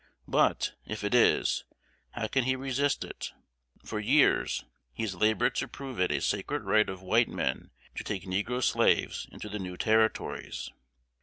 But, if it is, how can he resist it? For years he has labored to prove it a sacred right of white men to take negro slaves into the new Territories.